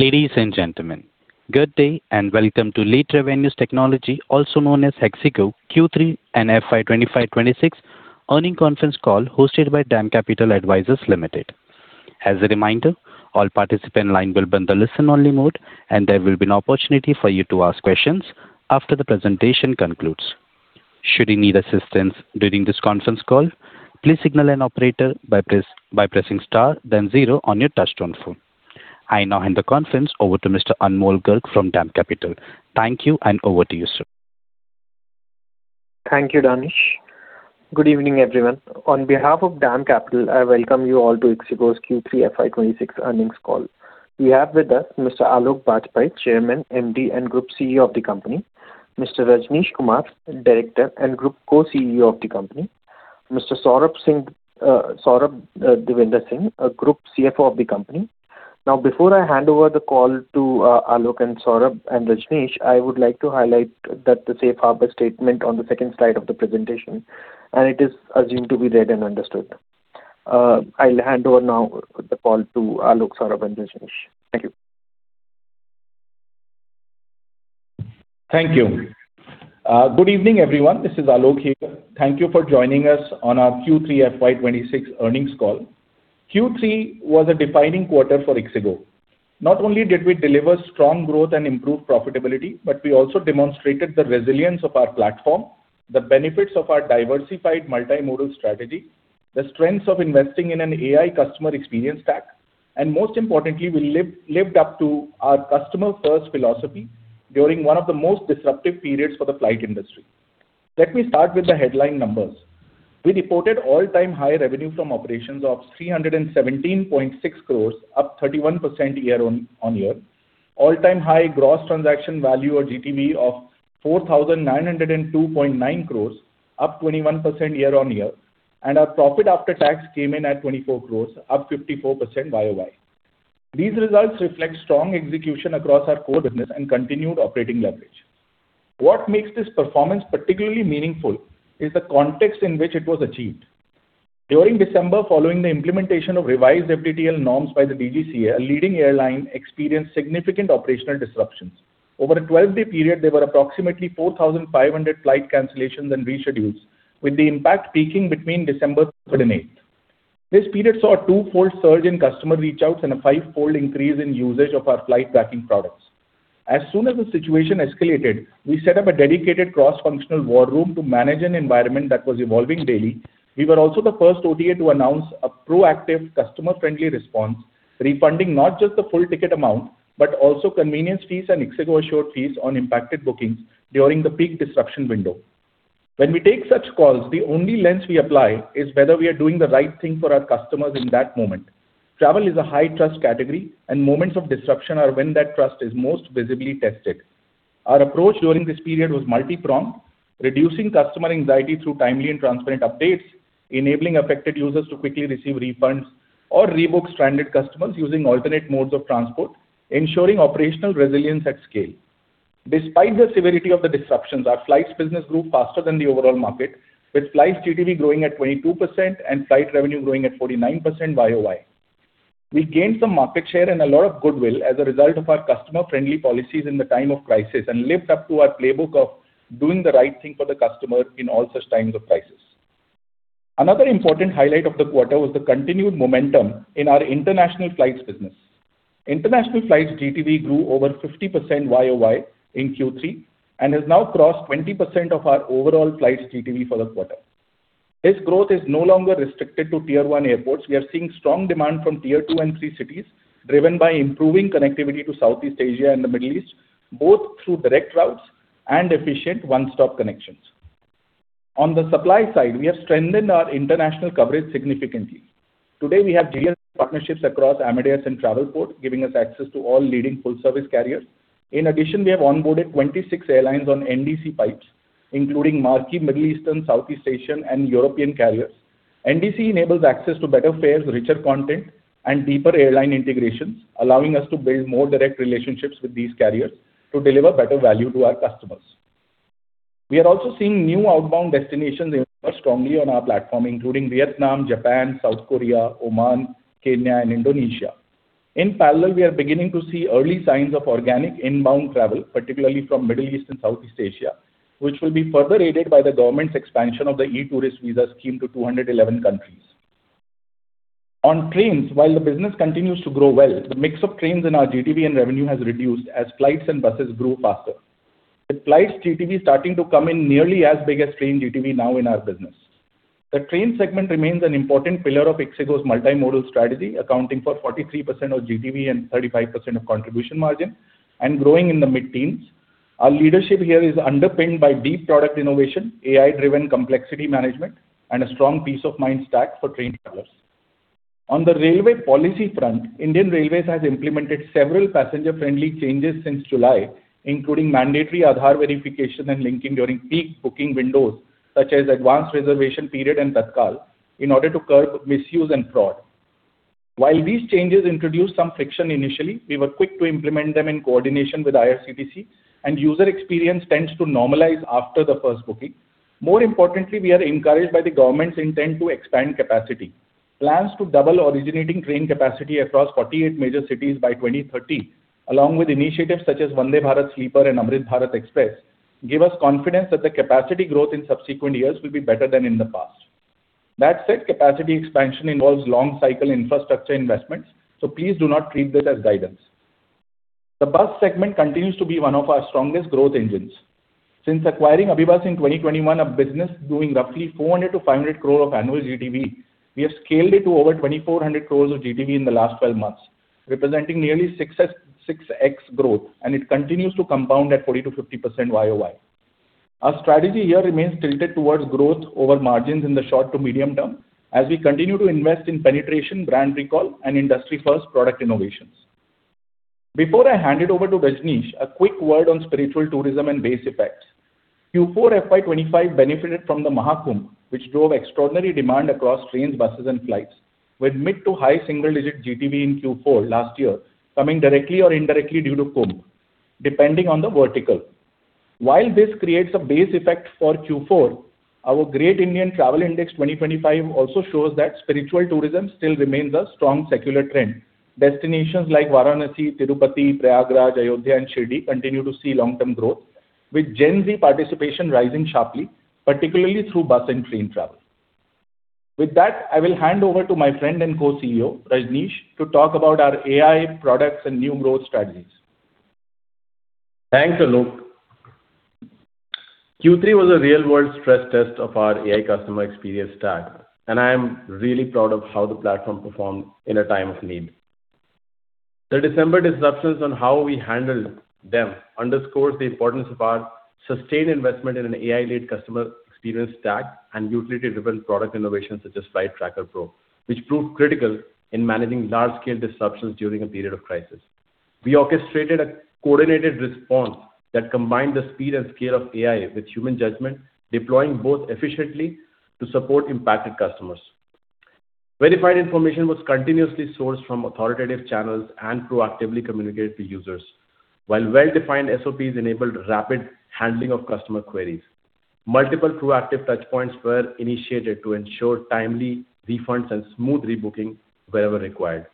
Ladies and gentlemen, good day and welcome to Le Travenues Technology, also known as ixigo, Q3 and FY 2025-26 earnings conference call hosted by DAM Capital Advisors Limited. As a reminder, all participants in line will be on the listen-only mode, and there will be no opportunity for you to ask questions after the presentation concludes. Should you need assistance during this conference call, please signal an operator by pressing star, then zero on your touch-tone phone. I now hand the conference over to Mr. Anmol Garg from DAM Capital. Thank you, and over to you, sir. Thank you, Danish. Good evening, everyone. On behalf of DAM Capital, I welcome you all to ixigo's Q3 FY 26 earnings call. We have with us Mr. Aloke Bajpai, Chairman, MD and Group CEO of the company; Mr. Rajnish Kumar, Director and Group Co-CEO of the company; Mr. Saurabh Devendra Singh, Group CFO of the company. Now, before I hand over the call to Alok and Saurabh and Rajnish, I would like to highlight the safe harbor statement on the second slide of the presentation, and it is assumed to be read and understood. I'll hand over now the call to Alok, Saurabh, and Rajnish. Thank you. Thank you. Good evening, everyone. This is Alok here. Thank you for joining us on our Q3 FY 26 earnings call. Q3 was a defining quarter for ixigo. Not only did we deliver strong growth and improved profitability, but we also demonstrated the resilience of our platform, the benefits of our diversified multimodal strategy, the strengths of investing in an AI customer experience stack, and most importantly, we lived up to our customer-first philosophy during one of the most disruptive periods for the flight industry. Let me start with the headline numbers. We reported all-time high revenue from operations of 317.6 crores, up 31% year-on-year, all-time high gross transaction value or GTV of 4,902.9 crores, up 21% year-on-year, and our profit after tax came in at 24 crores, up 54% YOY. These results reflect strong execution across our core business and continued operating leverage. What makes this performance particularly meaningful is the context in which it was achieved. During December, following the implementation of revised FDTL norms by the DGCA, a leading airline experienced significant operational disruptions. Over a 12-day period, there were approximately 4,500 flight cancellations and reschedules, with the impact peaking between December 3rd and 8th. This period saw a twofold surge in customer reach-outs and a fivefold increase in usage of our flight tracking products. As soon as the situation escalated, we set up a dedicated cross-functional war room to manage an environment that was evolving daily. We were also the first OTA to announce a proactive customer-friendly response, refunding not just the full ticket amount, but also convenience fees and ixigo Assured fees on impacted bookings during the peak disruption window. When we take such calls, the only lens we apply is whether we are doing the right thing for our customers in that moment. Travel is a high-trust category, and moments of disruption are when that trust is most visibly tested. Our approach during this period was multi-pronged, reducing customer anxiety through timely and transparent updates, enabling affected users to quickly receive refunds, or rebook stranded customers using alternate modes of transport, ensuring operational resilience at scale. Despite the severity of the disruptions, our flights business grew faster than the overall market, with flights GTV growing at 22% and flight revenue growing at 49% YOY. We gained some market share and a lot of goodwill as a result of our customer-friendly policies in the time of crisis and lived up to our playbook of doing the right thing for the customer in all such times of crisis. Another important highlight of the quarter was the continued momentum in our international flights business. International flights GTV grew over 50% YOY in Q3 and has now crossed 20% of our overall flights GTV for the quarter. This growth is no longer restricted to Tier 1 airports. We are seeing strong demand from Tier 2 and 3 cities driven by improving connectivity to Southeast Asia and the Middle East, both through direct routes and efficient one-stop connections. On the supply side, we have strengthened our international coverage significantly. Today, we have GDS partnerships across Amadeus and Travelport, giving us access to all leading full-service carriers. In addition, we have onboarded 26 airlines on NDC pipes, including major, Middle Eastern, Southeast Asian, and European carriers. NDC enables access to better fares, richer content, and deeper airline integrations, allowing us to build more direct relationships with these carriers to deliver better value to our customers. We are also seeing new outbound destinations emerge strongly on our platform, including Vietnam, Japan, South Korea, Oman, Kenya, and Indonesia. In parallel, we are beginning to see early signs of organic inbound travel, particularly from Middle East and Southeast Asia, which will be further aided by the government's expansion of the e-tourist visa scheme to 211 countries. On trains, while the business continues to grow well, the mix of trains in our GTV and revenue has reduced as flights and buses grew faster. With flights GTV starting to come in nearly as big as train GTV now in our business. The train segment remains an important pillar of ixigo's multimodal strategy, accounting for 43% of GTV and 35% of contribution margin, and growing in the mid-teens. Our leadership here is underpinned by deep product innovation, AI-driven complexity management, and a strong Peace of Mind stack for train travelers. On the railway policy front, Indian Railways has implemented several passenger-friendly changes since July, including mandatory Aadhaar verification and linking during peak booking windows, such as advanced reservation period and Tatkal, in order to curb misuse and fraud. While these changes introduced some friction initially, we were quick to implement them in coordination with IRCTC, and user experience tends to normalize after the first booking. More importantly, we are encouraged by the government's intent to expand capacity. Plans to double originating train capacity across 48 major cities by 2030, along with initiatives such as Vande Bharat Sleeper and Amrit Bharat Express, give us confidence that the capacity growth in subsequent years will be better than in the past. That said, capacity expansion involves long-cycle infrastructure investments, so please do not treat this as guidance. The bus segment continues to be one of our strongest growth engines. Since acquiring AbhiBus in 2021, a business doing roughly 400-500 crore of annual GTV, we have scaled it to over 2,400 crore of GTV in the last 12 months, representing nearly 6X growth, and it continues to compound at 40%-50% YOY. Our strategy here remains tilted towards growth over margins in the short to medium term as we continue to invest in penetration, brand recall, and industry-first product innovations. Before I hand it over to Rajnish, a quick word on spiritual tourism and base effects. Q4 FY 25 benefited from the Maha Kumbh, which drove extraordinary demand across trains, buses, and flights, with mid- to high single-digit GTV in Q4 last year coming directly or indirectly due to Kumbh, depending on the vertical. While this creates a base effect for Q4, our Great Indian Travel Index 2025 also shows that spiritual tourism still remains a strong secular trend. Destinations like Varanasi, Tirupati, Prayagraj, Ayodhya, and Shirdi continue to see long-term growth, with Gen Z participation rising sharply, particularly through bus and train travel. With that, I will hand over to my friend and Co-CEO, Rajnish, to talk about our AI products and new growth strategies. Thanks, Alok. Q3 was a real-world stress test of our AI customer experience stack, and I am really proud of how the platform performed in a time of need. The December disruptions and how we handled them underscore the importance of our sustained investment in an AI-led customer experience stack and utility-driven product innovations such as Flight Tracker Pro, which proved critical in managing large-scale disruptions during a period of crisis. We orchestrated a coordinated response that combined the speed and scale of AI with human judgment, deploying both efficiently to support impacted customers. Verified information was continuously sourced from authoritative channels and proactively communicated to users, while well-defined SOPs enabled rapid handling of customer queries. Multiple proactive touchpoints were initiated to ensure timely refunds and smooth rebooking wherever required.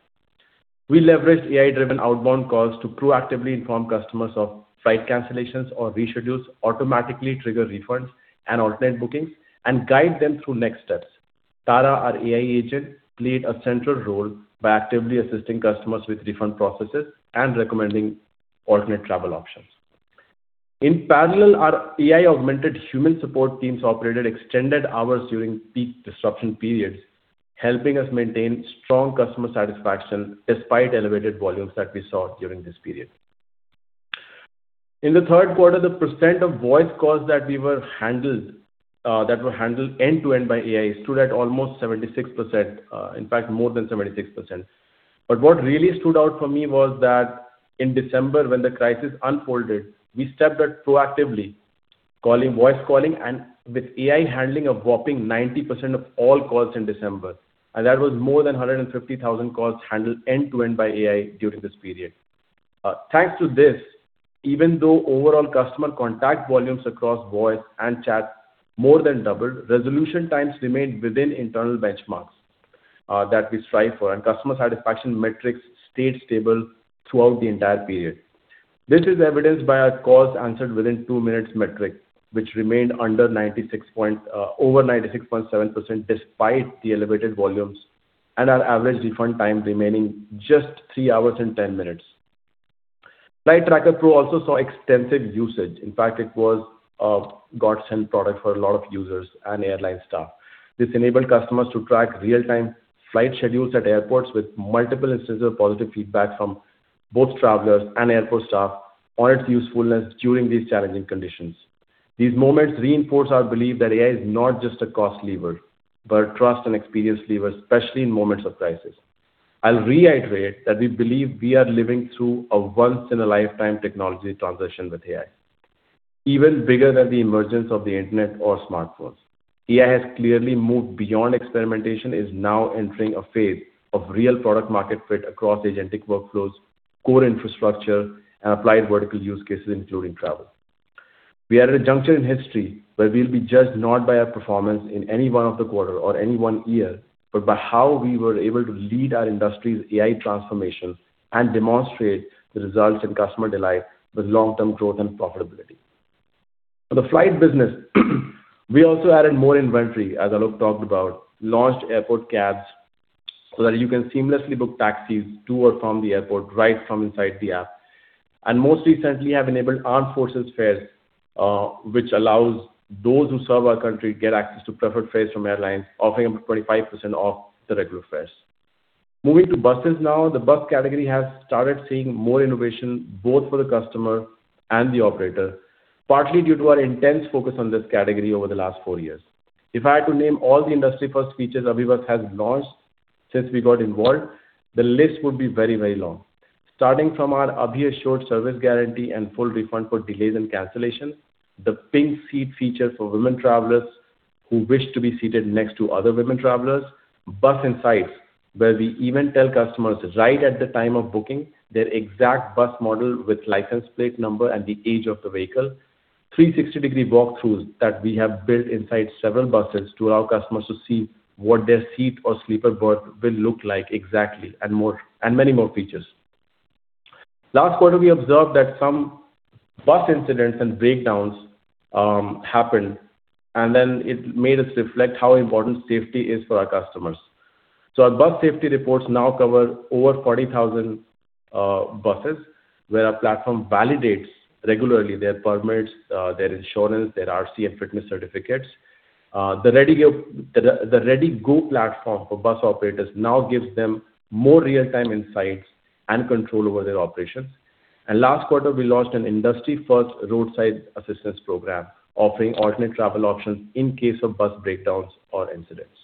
We leveraged AI-driven outbound calls to proactively inform customers of flight cancellations or reschedules, automatically trigger refunds and alternate bookings, and guide them through next steps. Tara, our AI agent, played a central role by actively assisting customers with refund processes and recommending alternate travel options. In parallel, our AI-augmented human support teams operated extended hours during peak disruption periods, helping us maintain strong customer satisfaction despite elevated volumes that we saw during this period. In the third quarter, the percent of voice calls that were handled end-to-end by AI stood at almost 76%, in fact, more than 76%. But what really stood out for me was that in December, when the crisis unfolded, we stepped up proactively, voice calling, and with AI handling a whopping 90% of all calls in December, and that was more than 150,000 calls handled end-to-end by AI during this period. Thanks to this, even though overall customer contact volumes across voice and chat more than doubled, resolution times remained within internal benchmarks that we strive for, and customer satisfaction metrics stayed stable throughout the entire period. This is evidenced by our calls answered within two minutes metric, which remained under 96.7% despite the elevated volumes and our average refund time remaining just three hours and 10 minutes. Flight Tracker Pro also saw extensive usage. In fact, it was a godsend product for a lot of users and airline staff. This enabled customers to track real-time flight schedules at airports with multiple instances of positive feedback from both travelers and airport staff on its usefulness during these challenging conditions. These moments reinforce our belief that AI is not just a cost lever, but a trust and experience lever, especially in moments of crisis. I'll reiterate that we believe we are living through a once-in-a-lifetime technology transition with AI, even bigger than the emergence of the internet or smartphones. AI has clearly moved beyond experimentation, is now entering a phase of real product-market fit across agentic workflows, core infrastructure, and applied vertical use cases, including travel. We are at a juncture in history where we'll be judged not by our performance in any one of the quarters or any one year, but by how we were able to lead our industry's AI transformation and demonstrate the results and customer delight with long-term growth and profitability. For the flight business, we also added more inventory, as Alok talked about, launched airport cabs so that you can seamlessly book taxis to or from the airport right from inside the app. And most recently, we have enabled Armed Forces fares, which allows those who serve our country to get access to preferred fares from airlines, offering up to 25% off the regular fares. Moving to buses now, the bus category has started seeing more innovation both for the customer and the operator, partly due to our intense focus on this category over the last four years. If I had to name all the industry-first features AbhiBus has launched since we got involved, the list would be very, very long. Starting from our Abhi Assured service guarantee and full refund for delays and cancellations, the Pink Seat feature for women travelers who wish to be seated next to other women travelers, Bus Insights where we even tell customers right at the time of booking their exact bus model with license plate number and the age of the vehicle, 360-degree walkthroughs that we have built inside several buses to allow customers to see what their seat or sleeper berth will look like exactly, and many more features. Last quarter, we observed that some bus incidents and breakdowns happened, and then it made us reflect how important safety is for our customers. So our bus safety reports now cover over 40,000 buses where our platform validates regularly their permits, their insurance, their RC and fitness certificates. The ReadyGo platform for bus operators now gives them more real-time insights and control over their operations. And last quarter, we launched an industry-first roadside assistance program offering alternate travel options in case of bus breakdowns or incidents.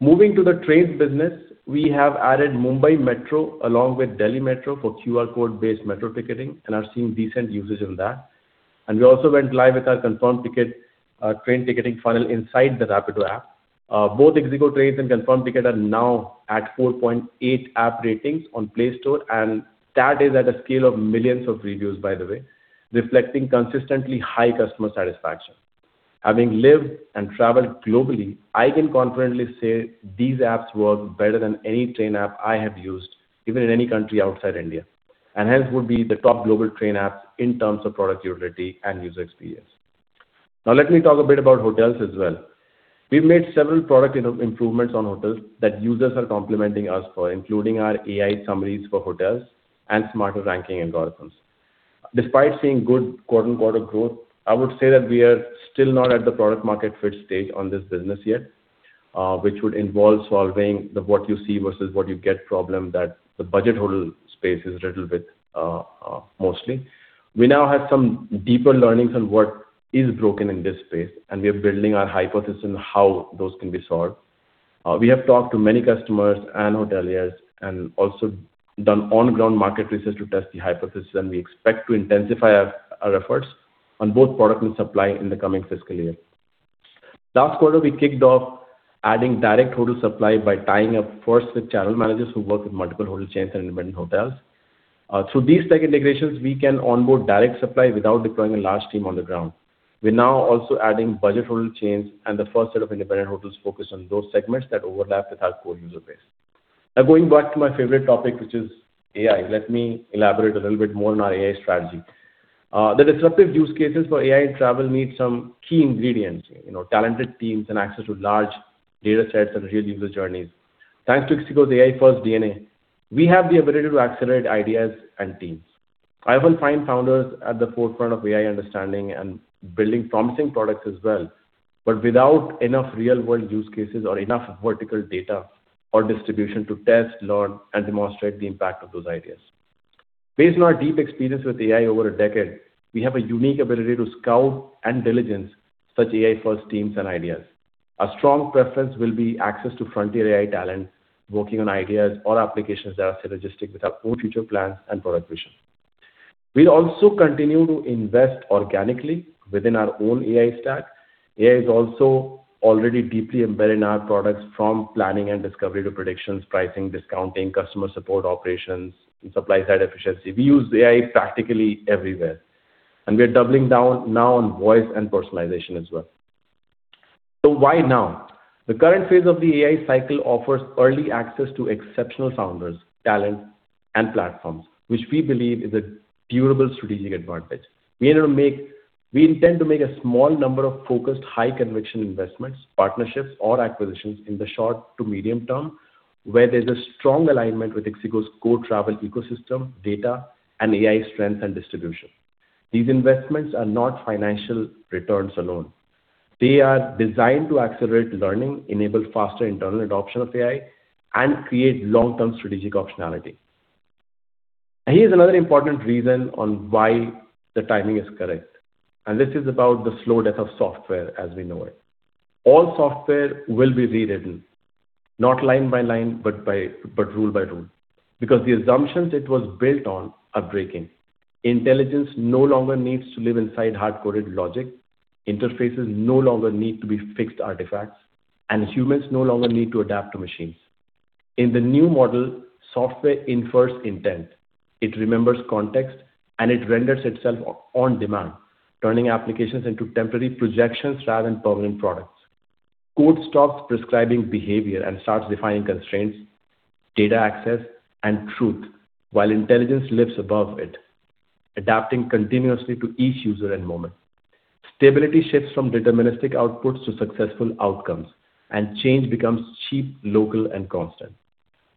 Moving to the trains business, we have added Mumbai Metro along with Delhi Metro for QR code-based metro ticketing and are seeing decent usage of that. And we also went live with our confirmTkt train ticketing funnel inside the Rapido app. Both ixigo trains and ConfirmTkt are now at 4.8 app ratings on Play Store, and that is at a scale of millions of reviews, by the way, reflecting consistently high customer satisfaction. Having lived and traveled globally, I can confidently say these apps work better than any train app I have used, even in any country outside India, and hence would be the top global train apps in terms of product utility and user experience. Now, let me talk a bit about hotels as well. We've made several product improvements on hotels that users are complimenting us for, including our AI summaries for hotels and smarter ranking algorithms. Despite seeing good quarter-on-quarter growth, I would say that we are still not at the product-market fit stage on this business yet, which would involve solving the what-you-see versus what-you-get problem that the budget hotel space is riddled with mostly. We now have some deeper learnings on what is broken in this space, and we are building our hypothesis on how those can be solved. We have talked to many customers and hoteliers and also done on-ground market research to test the hypothesis, and we expect to intensify our efforts on both product and supply in the coming fiscal year. Last quarter, we kicked off adding direct hotel supply by tying up first with channel managers who work with multiple hotel chains and independent hotels. Through these tech integrations, we can onboard direct supply without deploying a large team on the ground. We're now also adding budget hotel chains and the first set of independent hotels focused on those segments that overlap with our core user base. Now, going back to my favorite topic, which is AI, let me elaborate a little bit more on our AI strategy. The disruptive use cases for AI and travel need some key ingredients: talented teams and access to large data sets and real user journeys. Thanks to ixigo's AI-first DNA, we have the ability to accelerate ideas and teams. I often find founders at the forefront of AI understanding and building promising products as well, but without enough real-world use cases or enough vertical data or distribution to test, learn, and demonstrate the impact of those ideas. Based on our deep experience with AI over a decade, we have a unique ability to scout and diligence such AI-first teams and ideas. Our strong preference will be access to frontier AI talent working on ideas or applications that are synergistic with our own future plans and product vision. We'll also continue to invest organically within our own AI stack. AI is also already deeply embedded in our products from planning and discovery to predictions, pricing, discounting, customer support operations, and supply-side efficiency. We use AI practically everywhere, and we are doubling down now on voice and personalization as well. So why now? The current phase of the AI cycle offers early access to exceptional founders, talent, and platforms, which we believe is a durable strategic advantage. We intend to make a small number of focused high-conviction investments, partnerships, or acquisitions in the short to medium term where there's a strong alignment with ixigo's core travel ecosystem, data, and AI strength and distribution. These investments are not financial returns alone. They are designed to accelerate learning, enable faster internal adoption of AI, and create long-term strategic optionality. Here's another important reason on why the timing is correct, and this is about the slow death of software as we know it. All software will be rewritten, not line by line, but rule by rule, because the assumptions it was built on are breaking. Intelligence no longer needs to live inside hard-coded logic. Interfaces no longer need to be fixed artifacts, and humans no longer need to adapt to machines. In the new model, software infers intent. It remembers context, and it renders itself on demand, turning applications into temporary projections rather than permanent products. Code stops prescribing behavior and starts defining constraints, data access, and truth, while intelligence lives above it, adapting continuously to each user and moment. Stability shifts from deterministic outputs to successful outcomes, and change becomes cheap, local, and constant.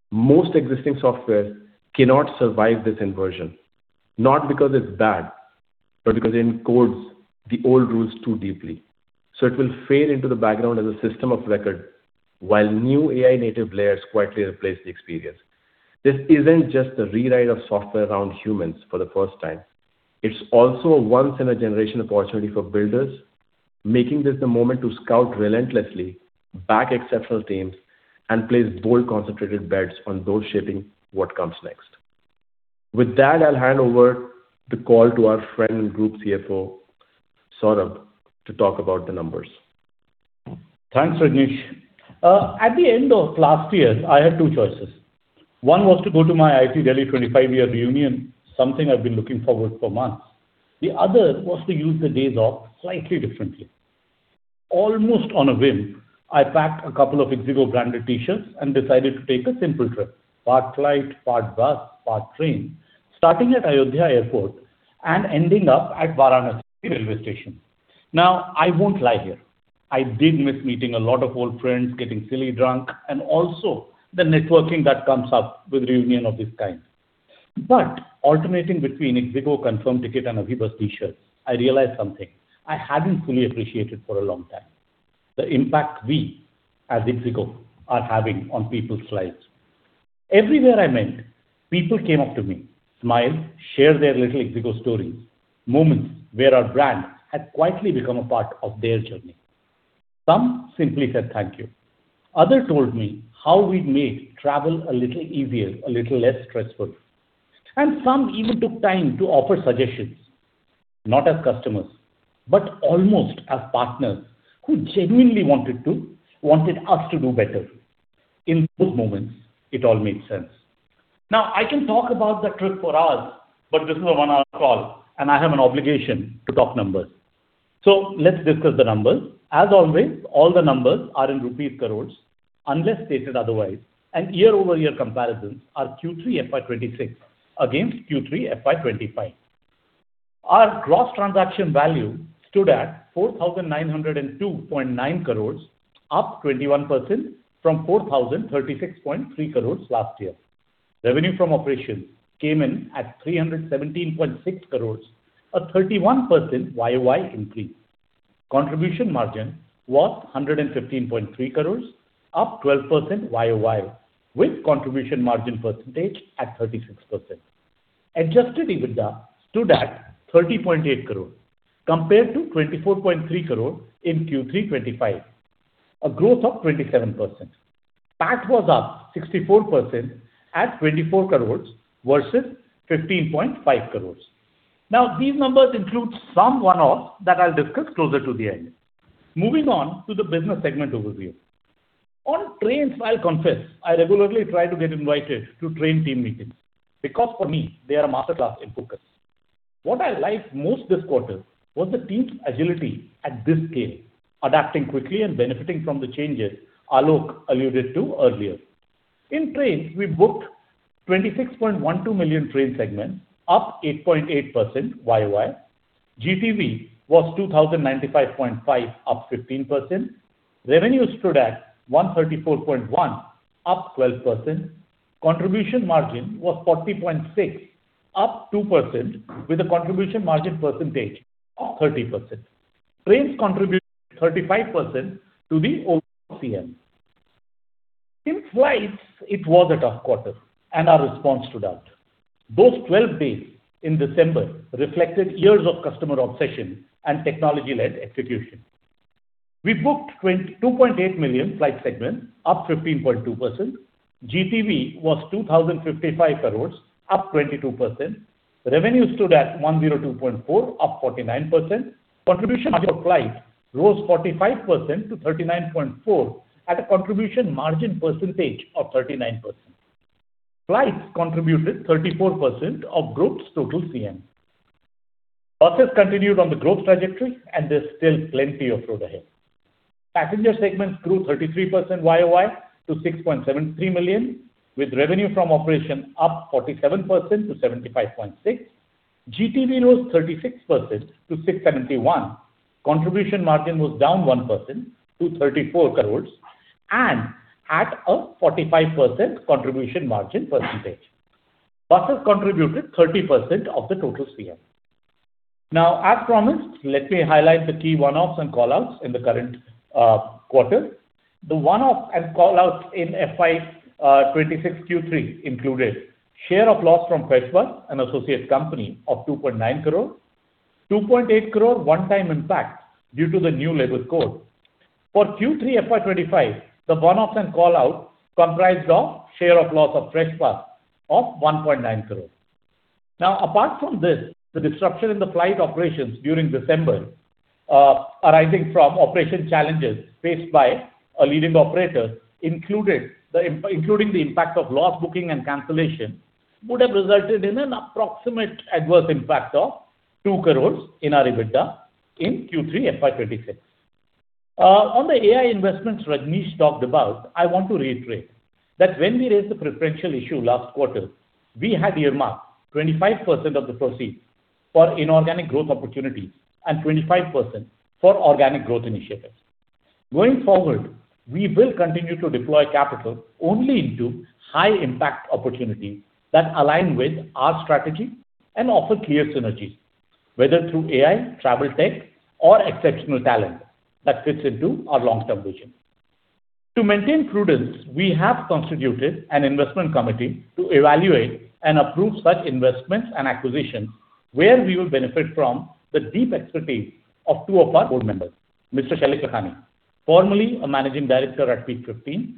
Most existing software cannot survive this inversion, not because it's bad, but because it encodes the old rules too deeply. So it will fade into the background as a system of record, while new AI-native layers quietly replace the experience. This isn't just the rewrite of software around humans for the first time. It's also a once-in-a-generation opportunity for builders, making this the moment to scout relentlessly, back exceptional teams, and place bold concentrated bets on those shaping what comes next. With that, I'll hand over the call to our friend and Group CFO, Saurabh, to talk about the numbers. Thanks, Rajnish. At the end of last year, I had two choices. One was to go to my IIT Delhi 25-year reunion, something I've been looking forward to for months. The other was to use the days off slightly differently. Almost on a whim, I packed a couple of ixigo-branded T-shirts and decided to take a simple trip, part flight, part bus, part train, starting at Ayodhya Airport and ending up at Varanasi Railway Station. Now, I won't lie here. I did miss meeting a lot of old friends, getting silly drunk, and also the networking that comes up with a reunion of this kind. But alternating between ixigo ConfirmTkt and AbhiBus T-shirts, I realized something I hadn't fully appreciated for a long time: the impact we, as ixigo, are having on people's lives. Everywhere I went, people came up to me, smiled, shared their little ixigo stories, moments where our brand had quietly become a part of their journey. Some simply said thank you. Others told me how we'd made travel a little easier, a little less stressful. And some even took time to offer suggestions, not as customers, but almost as partners who genuinely wanted us to do better. In those moments, it all made sense. Now, I can talk about the trip for us, but this is a one-hour call, and I have an obligation to talk numbers. So let's discuss the numbers. As always, all the numbers are in rupees crores unless stated otherwise, and year-over-year comparisons are Q3 FY26 against Q3 FY25. Our gross transaction value stood at 4,902.9 crores, up 21% from 4,036.3 crores last year. Revenue from operations came in at 317.6 crores, a 31% YOY increase. Contribution margin was 115.3 crores, up 12% YOY, with contribution margin percentage at 36%. Adjusted EBITDA stood at 30.8 crore, compared to 24.3 crore in Q3 25, a growth of 27%. PAT was up 64% at 24 crores versus 15.5 crores. Now, these numbers include some one-offs that I'll discuss closer to the end. Moving on to the business segment overview. On trains, I'll confess, I regularly try to get invited to train team meetings because, for me, they are a masterclass in focus. What I liked most this quarter was the team's agility at this scale, adapting quickly and benefiting from the changes Alok alluded to earlier. In trains, we booked 26.12 million train segments, up 8.8% YOY. GTV was 2,095.5, up 15%. Revenue stood at 134.1, up 12%. Contribution margin was 40.6, up 2%, with a contribution margin percentage of 30%. Trains contributed 35% to the overall CM. In flights, it was a tough quarter, and our response stood out. Those 12 days in December reflected years of customer obsession and technology-led execution. We booked 2.8 million flight segments, up 15.2%. GTV was 2,055 crores, up 22%. Revenue stood at 102.4, up 49%. Contribution for flights rose 45% to 39.4 at a contribution margin percentage of 39%. Flights contributed 34% of group's total CM. Buses continued on the growth trajectory, and there's still plenty of road ahead. Passenger segments grew 33% YOY to 6.73 million, with revenue from operations up 47% to 75.6. GTV rose 36% to 671. Contribution margin was down 1% to 34 crores and at a 45% contribution margin percentage. Buses contributed 30% of the total CM. Now, as promised, let me highlight the key one-offs and callouts in the current quarter. The one-offs and callouts in FY26 Q3 included share of loss from FreshBus, an associate company of 2.9 crore, 2.8 crore one-time impact due to the new Labour Code. For Q3 FY25, the one-offs and callouts comprised of share of loss of FreshBus of 1.9 crore. Now, apart from this, the disruption in the flight operations during December, arising from operational challenges faced by a leading operator, including the impact of low booking and cancellation, would have resulted in an approximate adverse impact of 2 crores in our EBITDA in Q3 FY26. On the AI investments Rajnish talked about, I want to reiterate that when we raised the preferential issue last quarter, we had earmarked 25% of the proceeds for inorganic growth opportunities and 25% for organic growth initiatives. Going forward, we will continue to deploy capital only into high-impact opportunities that align with our strategy and offer clear synergies, whether through AI, travel tech, or exceptional talent that fits into our long-term vision. To maintain prudence, we have constituted an investment committee to evaluate and approve such investments and acquisitions where we will benefit from the deep expertise of two of our board members, Mr. Shailesh Lakhani, formerly a managing director at Peak XV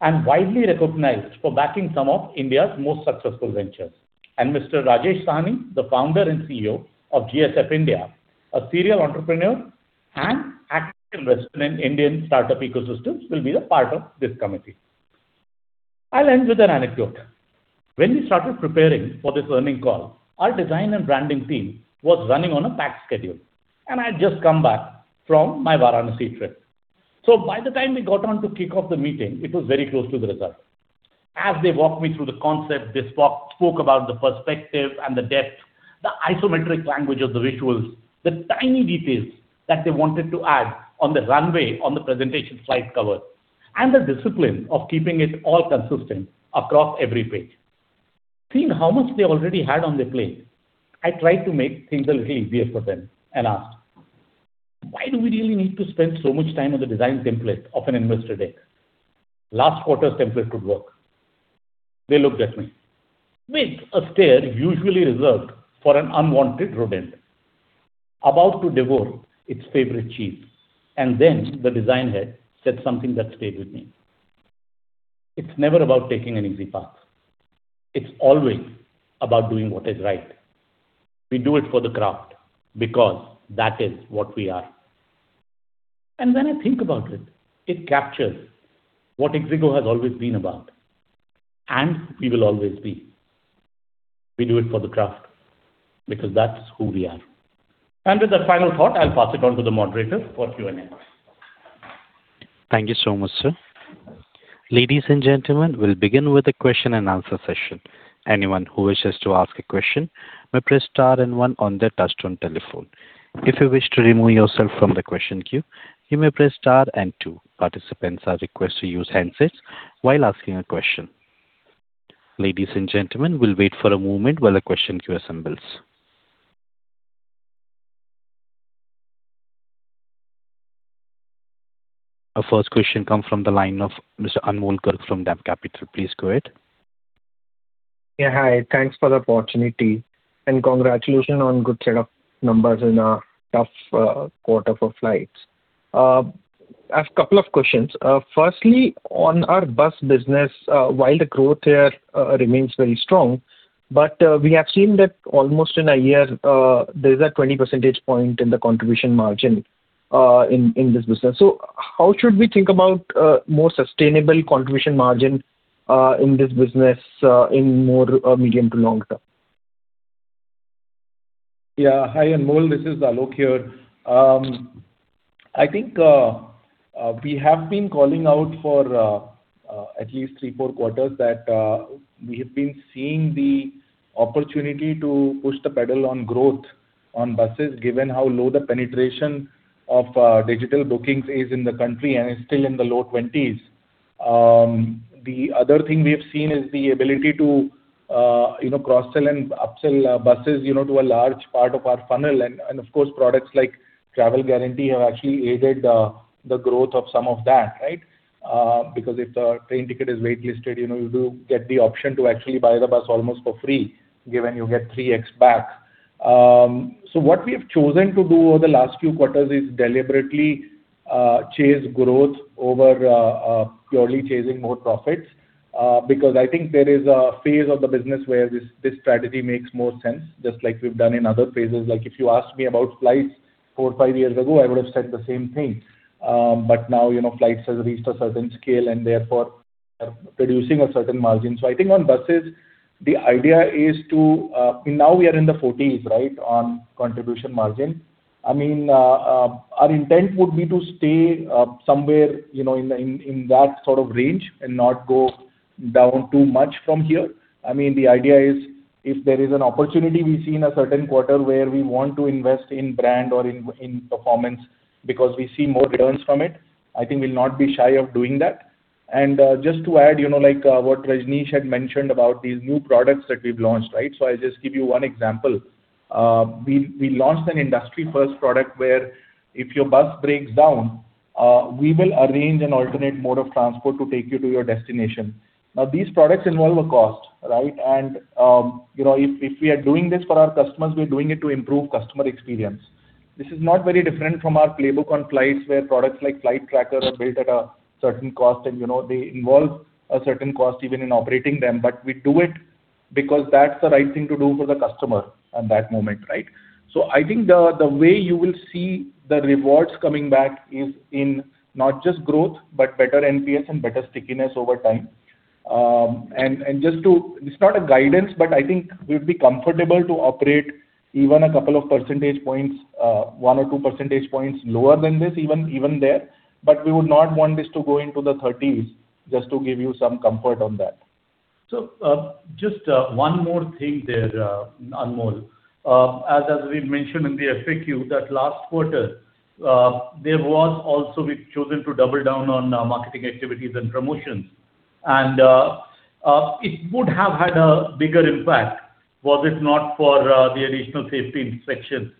and widely recognized for backing some of India's most successful ventures, and Mr. Rajesh Sawhney, the founder and CEO of GSF India, a serial entrepreneur and active investor in Indian startup ecosystems, will be a part of this committee. I'll end with an anecdote. When we started preparing for this learning call, our design and branding team was running on a packed schedule, and I had just come back from my Varanasi trip, so by the time we got on to kick off the meeting, it was very close to the result. As they walked me through the concept, they spoke about the perspective and the depth, the isometric language of the visuals, the tiny details that they wanted to add on the runway on the presentation slide cover, and the discipline of keeping it all consistent across every page. Seeing how much they already had on their plate, I tried to make things a little easier for them and asked, "Why do we really need to spend so much time on the design template of an investor deck? Last quarter's template could work." They looked at me with a stare usually reserved for an unwanted rodent about to devour its favorite cheese. And then the design head said something that stayed with me, "It's never about taking an easy path. It's always about doing what is right. We do it for the craft because that is what we are." And when I think about it, it captures what ixigo has always been about and we will always be. We do it for the craft because that's who we are. And with that final thought, I'll pass it on to the moderator for Q&A. Thank you so much, sir. Ladies and gentlemen, we'll begin with a question-and-answer session. Anyone who wishes to ask a question may press star and one on their touch-tone telephone. If you wish to remove yourself from the question queue, you may press star and two. Participants are requested to use handsets while asking a question. Ladies and gentlemen, we'll wait for a moment while the question queue assembles. Our first question comes from the line of Mr. Anmol Garg from DAM Capital. Please go ahead. Yeah, hi. Thanks for the opportunity and congratulations on a good set of numbers in a tough quarter for flights. I have a couple of questions. Firstly, on our bus business, while the growth here remains very strong, we have seen that almost in a year, there's a 20 percentage points in the contribution margin in this business. So how should we think about a more sustainable contribution margin in this business in more medium to long term? Yeah, hi, Anmol. This is Alok here. I think we have been calling out for at least three, four quarters that we have been seeing the opportunity to push the pedal on growth on buses, given how low the penetration of digital bookings is in the country and is still in the low 20s. The other thing we have seen is the ability to cross-sell and upsell buses to a large part of our funnel. And of course, products like Travel Guarantee have actually aided the growth of some of that, right? Because if the train ticket is waitlisted, you do get the option to actually buy the bus almost for free, given you get 3x back. So what we have chosen to do over the last few quarters is deliberately chase growth over purely chasing more profits because I think there is a phase of the business where this strategy makes more sense, just like we've done in other phases. Like if you asked me about flights four or five years ago, I would have said the same thing. But now flights have reached a certain scale and therefore are producing a certain margin. So I think on buses, the idea is to now we are in the 40s, right, on contribution margin. I mean, our intent would be to stay somewhere in that sort of range and not go down too much from here. I mean, the idea is if there is an opportunity we see in a certain quarter where we want to invest in brand or in performance because we see more returns from it. I think we'll not be shy of doing that. And just to add, like what Rajnish had mentioned about these new products that we've launched, right? So I'll just give you one example. We launched an industry-first product where if your bus breaks down, we will arrange an alternate mode of transport to take you to your destination. Now, these products involve a cost, right? And if we are doing this for our customers, we're doing it to improve customer experience. This is not very different from our playbook on flights where products like Flight Tracker are built at a certain cost and they involve a certain cost even in operating them. But we do it because that's the right thing to do for the customer at that moment, right? So I think the way you will see the rewards coming back is in not just growth, but better NPS and better stickiness over time. And just to, it's not a guidance, but I think we would be comfortable to operate even a couple of percentage points, one or two percentage points lower than this, even there. But we would not want this to go into the 30s just to give you some comfort on that. So just one more thing there, Anmol. As we mentioned in the FAQ, that last quarter, there was also we've chosen to double down on marketing activities and promotions. And it would have had a bigger impact, was it not for the additional safety inspections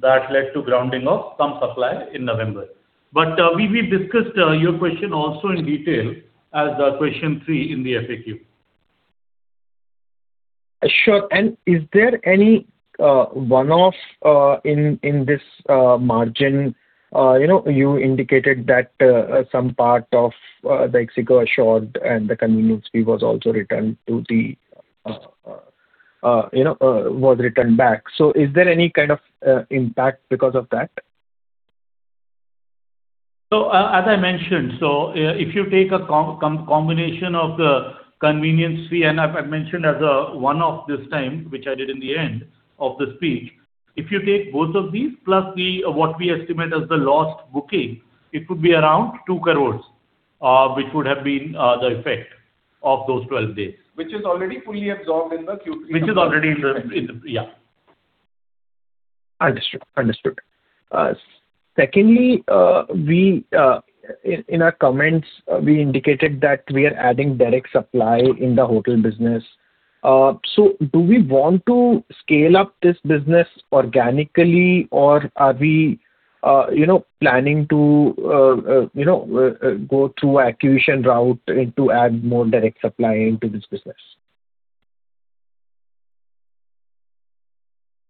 that led to grounding of some supply in November. But we've discussed your question also in detail as question three in the FAQ. Sure. And is there any one-off in this margin? You indicated that some part of the ixigo assured and the convenience fee was also returned back. So is there any kind of impact because of that? So as I mentioned, so if you take a combination of the convenience fee and I've mentioned as a one-off this time, which I did in the end of the speech, if you take both of these plus what we estimate as the lost booking, it would be around 2 crores, which would have been the effect of those 12 days. Which is already fully absorbed in the Q3. Which is already in the. Understood. Secondly, in our comments, we indicated that we are adding direct supply in the hotel business. So do we want to scale up this business organically, or are we planning to go through acquisition route to add more direct supply into this business?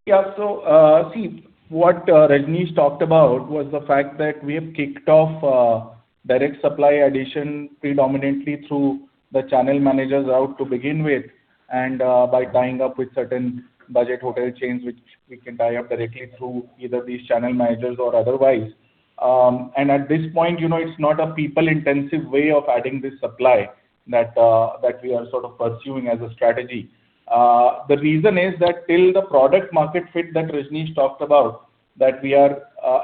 Yeah. So see, what Rajnish talked about was the fact that we have kicked off direct supply addition predominantly through the channel managers out to begin with and by tying up with certain budget hotel chains, which we can tie up directly through either these channel managers or otherwise. And at this point, it's not a people-intensive way of adding this supply that we are sort of pursuing as a strategy. The reason is that till the product-market fit that Rajnish talked about, that we are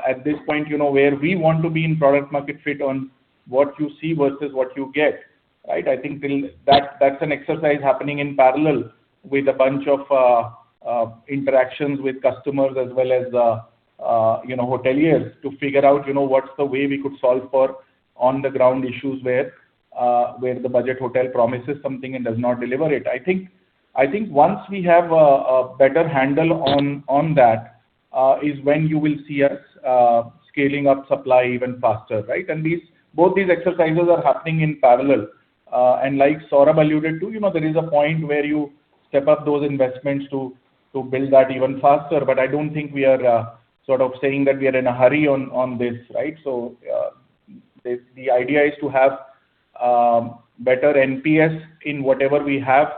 at this point where we want to be in product-market fit on what you see versus what you get, right? I think that's an exercise happening in parallel with a bunch of interactions with customers as well as the hoteliers to figure out what's the way we could solve for on-the-ground issues where the budget hotel promises something and does not deliver it. I think once we have a better handle on that is when you will see us scaling up supply even faster, right? And both these exercises are happening in parallel. And like Saurabh alluded to, there is a point where you step up those investments to build that even faster. But I don't think we are sort of saying that we are in a hurry on this, right? So the idea is to have better NPS in whatever we have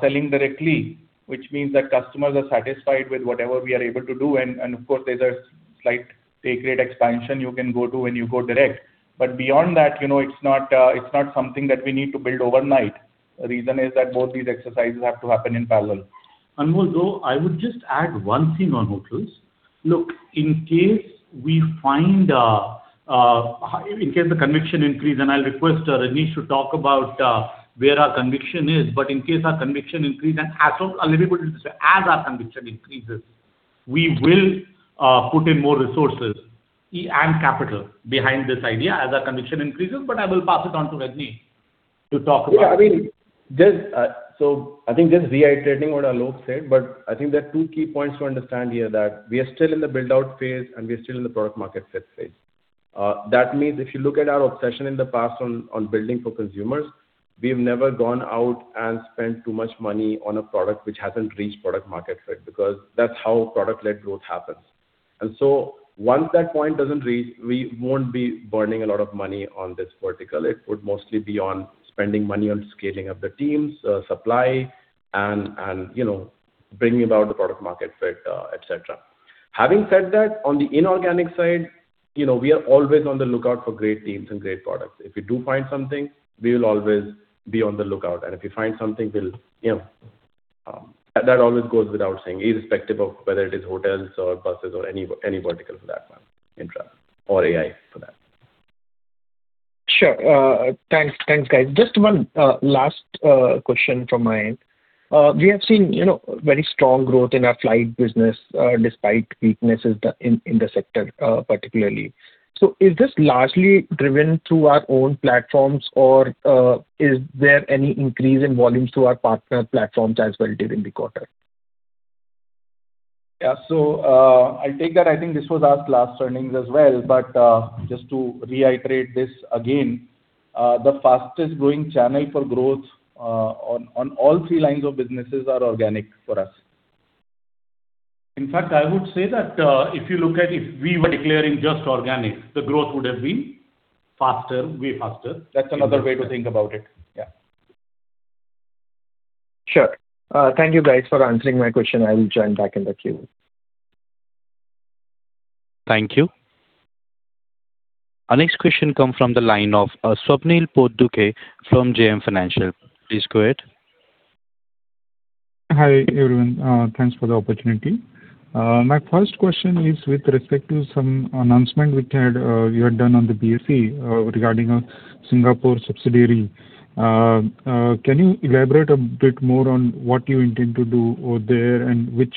selling directly, which means that customers are satisfied with whatever we are able to do. Of course, there's a slight pay grade expansion you can go to when you go direct. But beyond that, it's not something that we need to build overnight. The reason is that both these exercises have to happen in parallel. Anmol, though, I would just add one thing on hotels. Look, in case the conviction increases, and I'll request Rajnish to talk about where our conviction is. But in case our conviction increases, and I'll be able to do this as our conviction increases, we will put in more resources and capital behind this idea as our conviction increases. But I will pass it on to Rajnish to talk about. Yeah. I mean, so I think just reiterating what Alok said, but I think there are two key points to understand here that we are still in the build-out phase and we are still in the product-market fit phase. That means if you look at our obsession in the past on building for consumers, we've never gone out and spent too much money on a product which hasn't reached product-market fit because that's how product-led growth happens. And so once that point doesn't reach, we won't be burning a lot of money on this vertical. It would mostly be on spending money on scaling up the teams, supply, and bringing about the product-market fit, etc. Having said that, on the inorganic side, we are always on the lookout for great teams and great products. If we do find something, we will always be on the lookout. And if we find something, well, that always goes without saying, irrespective of whether it is hotels or buses or any vertical for that matter, in travel or AI for that. Sure. Thanks, guys. Just one last question from my end. We have seen very strong growth in our flight business despite weaknesses in the sector, particularly. So is this largely driven through our own platforms, or is there any increase in volumes through our partner platforms as well during the quarter? Yeah. So I'll take that. I think this was asked last earnings as well. But just to reiterate this again, the fastest growing channel for growth on all three lines of businesses are organic for us. In fact, I would say that if you look at, if we were declaring just organic, the growth would have been faster, way faster. That's another way to think about it. Yeah. Sure. Thank you, guys, for answering my question. I will join back in the queue. Thank you. Our next question comes from the line of Swapnil Potdukhe from JM Financial. Please go ahead. Hi, everyone. Thanks for the opportunity. My first question is with respect to some announcement you had done on the BSE regarding a Singapore subsidiary. Can you elaborate a bit more on what you intend to do there and what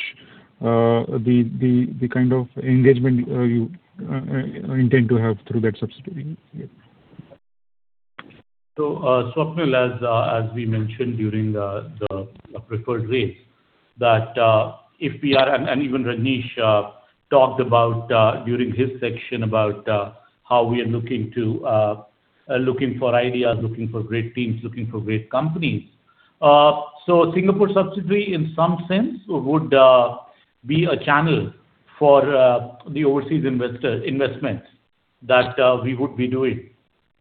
kind of engagement you intend to have through that subsidiary? So Swapnil, as we mentioned during the pre-IPO raise, that if we are and even Rajnish talked about during his section about how we are looking for ideas, looking for great teams, looking for great companies. So Singapore subsidiary, in some sense, would be a channel for the overseas investment that we would be doing.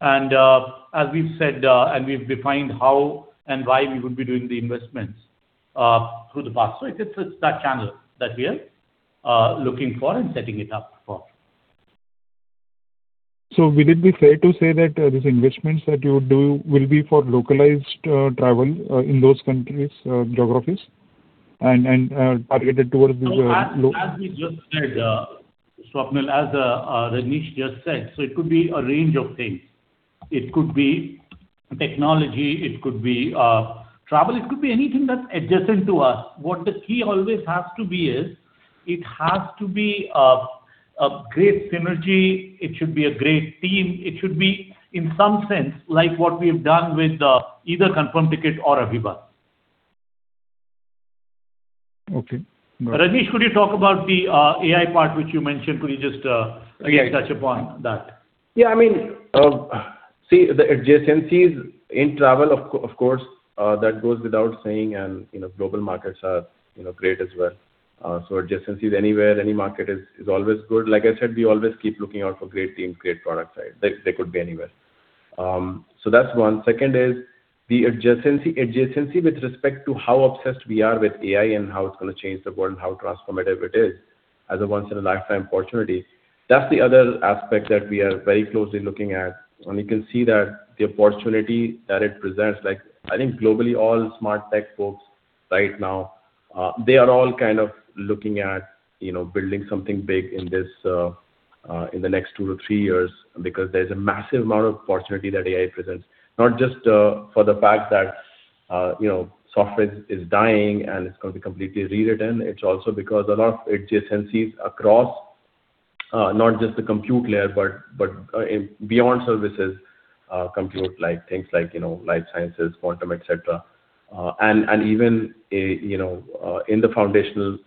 As we've said and we've defined how and why we would be doing the investments through the past. So it's that channel that we are looking for and setting it up for. So would it be fair to say that these investments that you would do will be for localized travel in those countries, geographies, and targeted towards these low? As we just said, Swapnil, as Rajnish just said, so it could be a range of things. It could be technology. It could be travel. It could be anything that's adjacent to us. What the key always has to be is it has to be a great synergy. It should be a great team. It should be, in some sense, like what we have done with either ConfirmTkt or AbhiBus. Okay. Rajnish, could you talk about the AI part, which you mentioned? Could you just, again, touch upon that? Yeah. I mean, see, the adjacencies in travel, of course, that goes without saying, and global markets are great as well, so adjacencies anywhere, any market is always good. Like I said, we always keep looking out for great teams, great products. They could be anywhere, so that's one. Second is the adjacency with respect to how obsessed we are with AI and how it's going to change the world and how transformative it is as a once-in-a-lifetime opportunity. That's the other aspect that we are very closely looking at. You can see that the opportunity that it presents. Like, I think globally, all smart tech folks right now, they are all kind of looking at building something big in the next two to three years because there's a massive amount of opportunity that AI presents, not just for the fact that software is dying and it's going to be completely rewritten. It's also because a lot of adjacencies across not just the compute layer, but beyond services, compute like things like life sciences, quantum, etc., and even in the foundational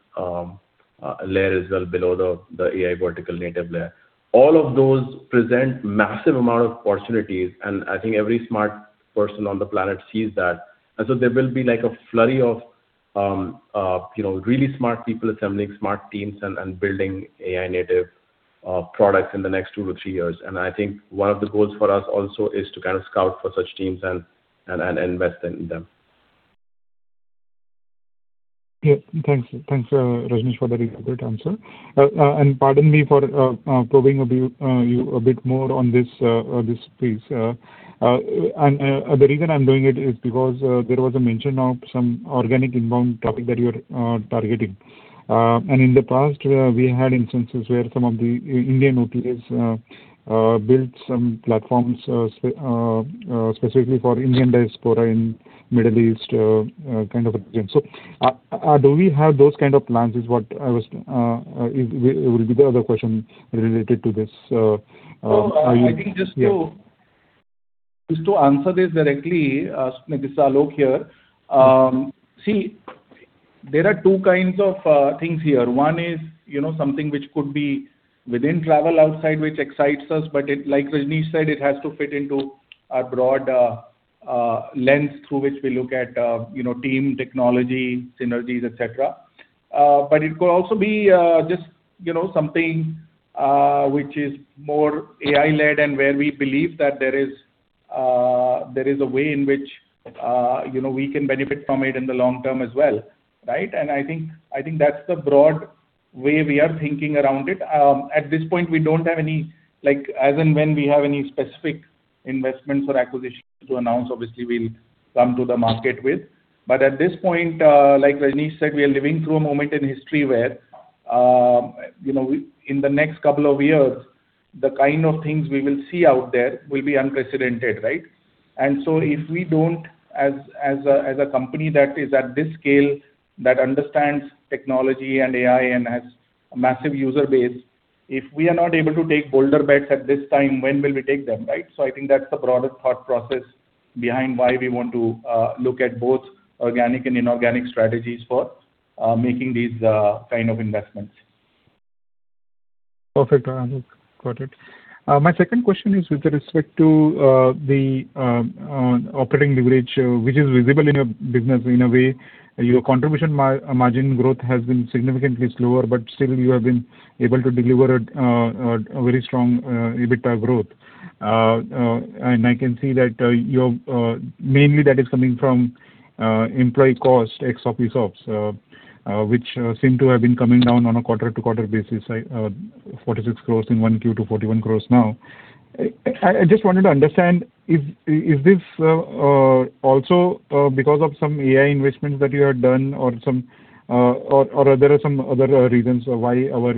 layer as well below the AI vertical native layer. All of those present massive amount of opportunities. And I think every smart person on the planet sees that. And so there will be like a flurry of really smart people assembling smart teams and building AI-native products in the next two to three years. I think one of the goals for us also is to kind of scout for such teams and invest in them. Yeah. Thanks, Rajnish, for the good answer. Pardon me for probing you a bit more on this piece. The reason I'm doing it is because there was a mention of some organic inbound topic that you are targeting. In the past, we had instances where some of the Indian OTAs built some platforms specifically for Indian diaspora in Middle East kind of region. So do we have those kind of plans? That is what I was asking. It will be the other question related to this. I think just to answer this directly, this is Alok here. See, there are two kinds of things here. One is something which could be within travel outside, which excites us. But like Rajnish said, it has to fit into our broad lens through which we look at team, technology, synergies, etc. But it could also be just something which is more AI-led and where we believe that there is a way in which we can benefit from it in the long term as well, right? And I think that's the broad way we are thinking around it. At this point, we don't have any as in when we have any specific investments or acquisitions to announce, obviously, we'll come to the market with. But at this point, like Rajnish said, we are living through a moment in history where in the next couple of years, the kind of things we will see out there will be unprecedented, right? And so if we don't, as a company that is at this scale, that understands technology and AI and has a massive user base, if we are not able to take boulder bets at this time, when will we take them, right? So I think that's the broader thought process behind why we want to look at both organic and inorganic strategies for making these kind of investments. Perfect. I got it. My second question is with respect to the operating leverage, which is visible in your business in a way. Your contribution margin growth has been significantly slower, but still you have been able to deliver a very strong EBITDA growth. And I can see that mainly that is coming from employee cost, ex-office ops, which seem to have been coming down on a quarter-to-quarter basis, 46 crores in one Q to 41 crores now. I just wanted to understand, is this also because of some AI investments that you have done or are there some other reasons why our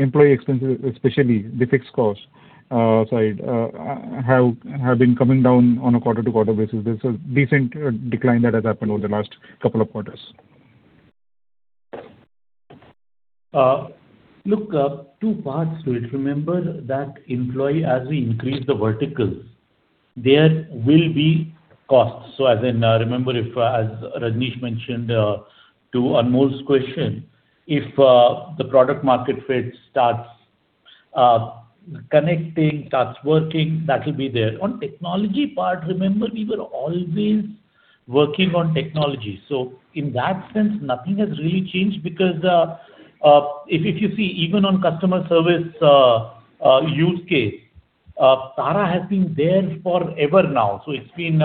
employee expenses, especially the fixed cost side, have been coming down on a quarter-to-quarter basis? There's a decent decline that has happened over the last couple of quarters. Look, two parts to it. Remember that employee, as we increase the verticals, there will be costs. So as in, remember, as Rajnish mentioned to Anmol's question, if the product-market fit starts connecting, starts working, that will be there. On technology part, remember, we were always working on technology. So in that sense, nothing has really changed because if you see, even on customer service use case, Tara has been there forever now. So it's been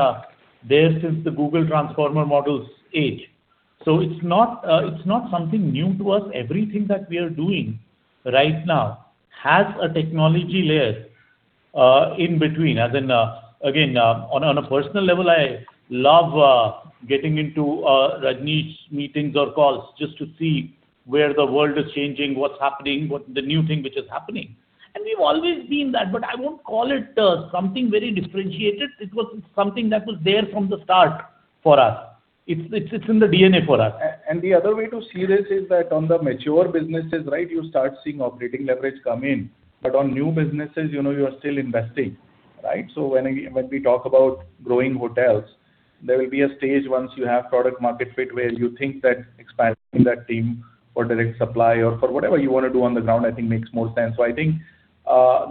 there since the Google Transformer models age. So it's not something new to us. Everything that we are doing right now has a technology layer in between. As in, again, on a personal level, I love getting into Rajnish's meetings or calls just to see where the world is changing, what's happening, the new thing which is happening. And we've always been that. But I won't call it something very differentiated. It was something that was there from the start for us. It's in the DNA for us. And the other way to see this is that on the mature businesses, right, you start seeing operating leverage come in. But on new businesses, you are still investing, right? So when we talk about growing hotels, there will be a stage once you have product-market fit where you think that expanding that team for direct supply or for whatever you want to do on the ground, I think, makes more sense. So I think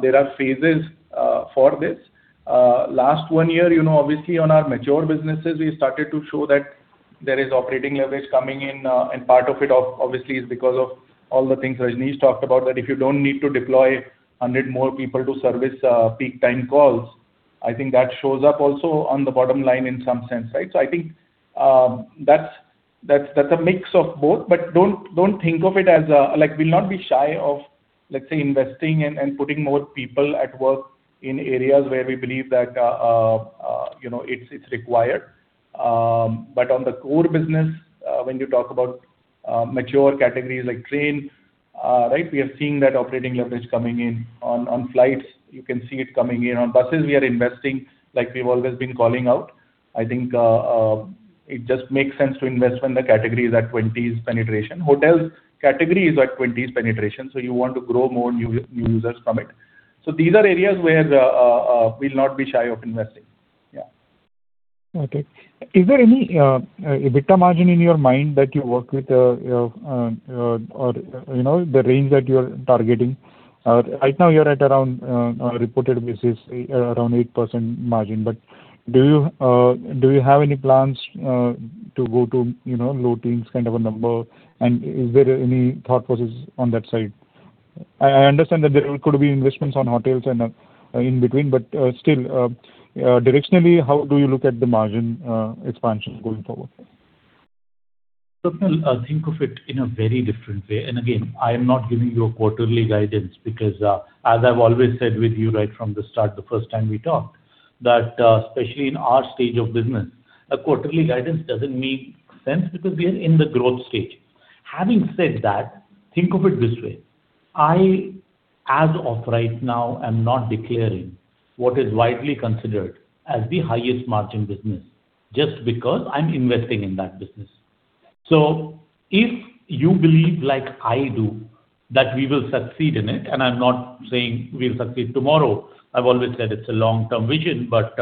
there are phases for this. Last one year, obviously, on our mature businesses, we started to show that there is operating leverage coming in. And part of it, obviously, is because of all the things Rajnish talked about, that if you don't need to deploy 100 more people to service peak time calls, I think that shows up also on the bottom line in some sense, right? So I think that's a mix of both. But don't think of it as we'll not be shy of, let's say, investing and putting more people at work in areas where we believe that it's required. But on the core business, when you talk about mature categories like train, right, we are seeing that operating leverage coming in. On flights, you can see it coming in. On buses, we are investing like we've always been calling out. I think it just makes sense to invest when the category is at 20s penetration. Hotels category is at 20s penetration. So you want to grow more new users from it. So these are areas where we'll not be shy of investing. Yeah. Okay. Is there any EBITDA margin in your mind that you work with or the range that you are targeting? Right now, you're at around reported basis, around 8% margin. But do you have any plans to go to low teens kind of a number? And is there any thought process on that side? I understand that there could be investments on hotels and in between. But still, directionally, how do you look at the margin expansion going forward? Swapnil, I think of it in a very different way. Again, I am not giving you a quarterly guidance because, as I've always said with you right from the start, the first time we talked, that especially in our stage of business, a quarterly guidance doesn't make sense because we are in the growth stage. Having said that, think of it this way. I, as of right now, am not declaring what is widely considered as the highest margin business just because I'm investing in that business. So if you believe like I do that we will succeed in it, and I'm not saying we'll succeed tomorrow. I've always said it's a long-term vision. But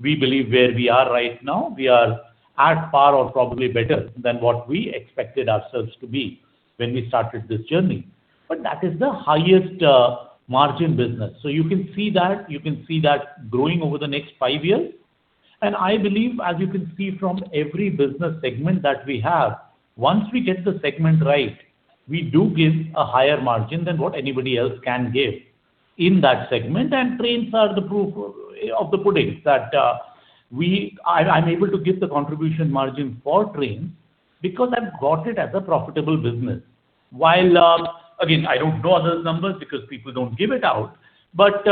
we believe where we are right now, we are at par or probably better than what we expected ourselves to be when we started this journey. But that is the highest margin business. So you can see that. You can see that growing over the next five years, and I believe, as you can see from every business segment that we have, once we get the segment right, we do give a higher margin than what anybody else can give in that segment, and trains are the proof of the pudding that I'm able to give the contribution margin for trains because I've got it as a profitable business. While, again, I don't know other numbers because people don't give it out, but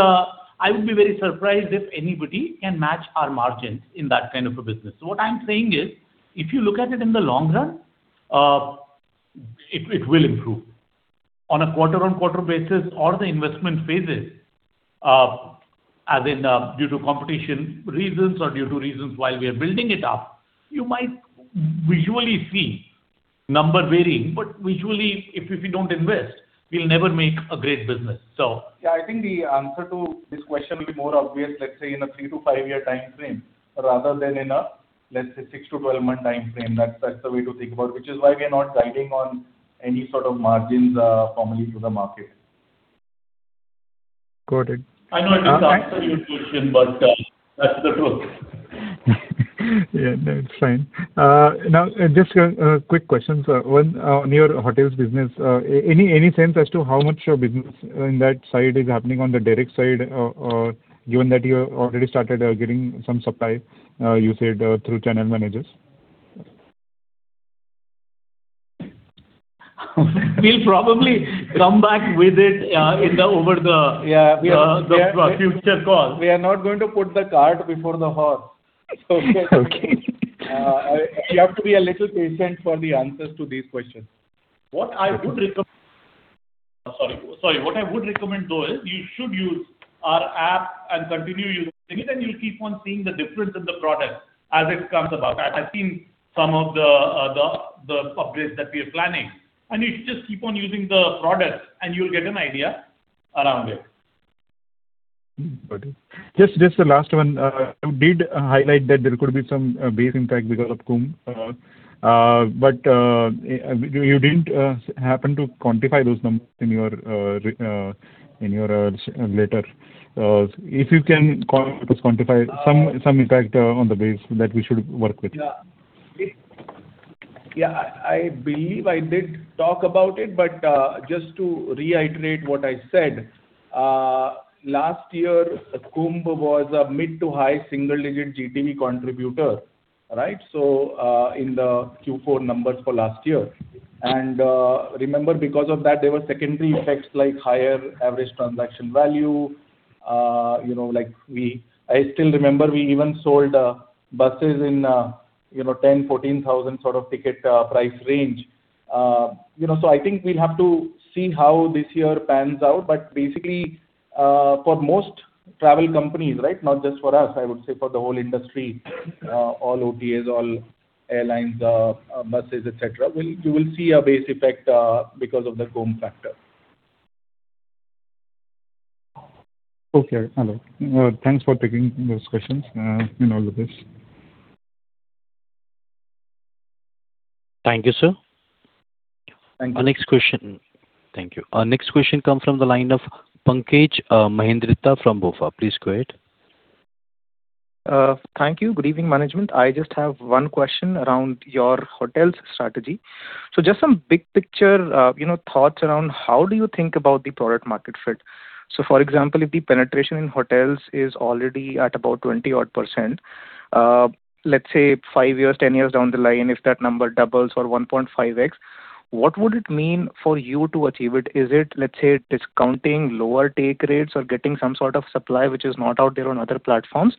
I would be very surprised if anybody can match our margins in that kind of a business, so what I'm saying is, if you look at it in the long run, it will improve. On a quarter-on-quarter basis or the investment phases, as in due to competition reasons or due to reasons while we are building it up, you might visually see number varying. But visually, if we don't invest, we'll never make a great business. So yeah, I think the answer to this question will be more obvious, let's say, in a three to five-year time frame rather than in a, let's say, six to twelve-month time frame. That's the way to think about it, which is why we are not guiding on any sort of margins formally to the market. Got it. I know it is an absurd question, but that's the truth. Yeah. No, it's fine. Now, just a quick question. On your hotels business, any sense as to how much business in that side is happening on the direct side, given that you already started getting some supply, you said, through channel managers? We'll probably come back with it over the future call. We are not going to put the card before the horse. So you have to be a little patient for the answers to these questions. What I would recommend, sorry, what I would recommend, though, is you should use our app and continue using it, and you'll keep on seeing the difference in the product as it comes about. I've seen some of the upgrades that we are planning. And you should just keep on using the product, and you'll get an idea around it. Got it. Just the last one. I did highlight that there could be some base impact because of Kumbh. But you didn't happen to quantify those numbers in your letter. If you can quantify some impact on the base that we should work with? Yeah. I believe I did talk about it. But just to reiterate what I said, last year, Kumbh was a mid- to high single-digit GTV contributor, right, so in the Q4 numbers for last year. And remember, because of that, there were secondary effects like higher average transaction value. I still remember we even sold buses in 10-14,000 sort of ticket price range. So I think we'll have to see how this year pans out. But basically, for most travel companies, right, not just for us, I would say for the whole industry, all OTAs, all airlines, buses, etc., you will see a base effect because of the Kumbh factor. Okay. Thanks for taking those questions in all of this. Thank you, sir. Thank you. Next question. Thank you. Next question comes from the line of Pankaj Mehndiratta from Bank of America. Please go ahead. Thank you. Good evening, management. I just have one question around your hotels strategy. So just some big picture thoughts around how do you think about the product-market fit? So for example, if the penetration in hotels is already at about 20-odd%, let's say five years, 10 years down the line, if that number doubles or 1.5x, what would it mean for you to achieve it? Is it, let's say, discounting lower take rates or getting some sort of supply which is not out there on other platforms?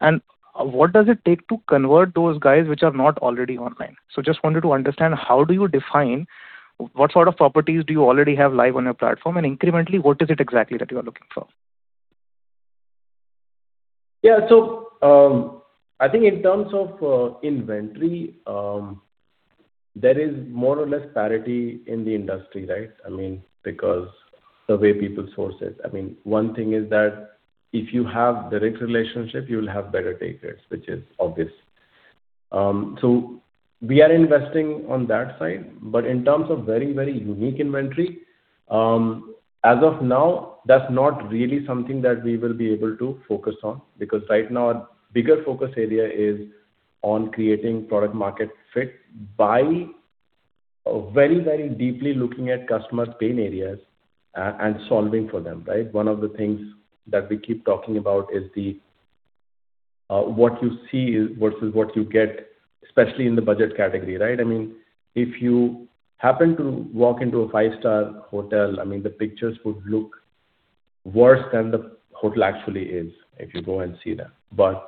And what does it take to convert those guys which are not already online? So just wanted to understand how do you define what sort of properties do you already have live on your platform? And incrementally, what is it exactly that you are looking for? Yeah. So I think in terms of inventory, there is more or less parity in the industry, right? I mean, because the way people source it. I mean, one thing is that if you have direct relationship, you will have better take rates, which is obvious. So we are investing on that side. But in terms of very, very unique inventory, as of now, that's not really something that we will be able to focus on because right now, our bigger focus area is on creating product-market fit by very, very deeply looking at customer pain areas and solving for them, right? One of the things that we keep talking about is what you see versus what you get, especially in the budget category, right? I mean, if you happen to walk into a five-star hotel, I mean, the pictures would look worse than the hotel actually is if you go and see them. But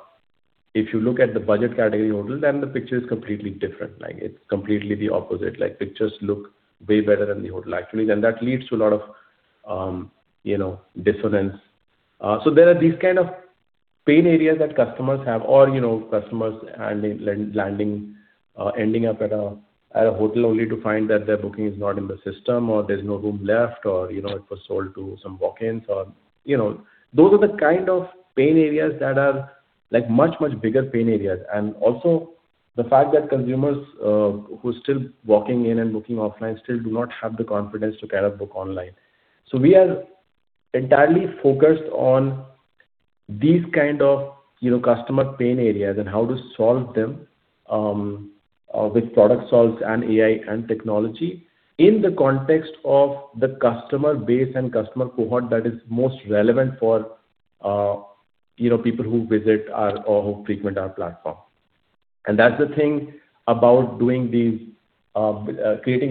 if you look at the budget category hotel, then the picture is completely different. It's completely the opposite. Pictures look way better than the hotel, actually. And that leads to a lot of dissonance. So there are these kind of pain areas that customers have or customers ending up at a hotel only to find that their booking is not in the system or there's no room left or it was sold to some walk-ins. Those are the kind of pain areas that are much, much bigger pain areas. And also the fact that consumers who are still walking in and booking offline still do not have the confidence to kind of book online. So we are entirely focused on these kind of customer pain areas and how to solve them with product solves and AI and technology in the context of the customer base and customer cohort that is most relevant for people who visit or who frequent our platform. That's the thing about creating